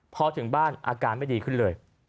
พอถึงบ้านอาการไม่ดีขึ้นเลย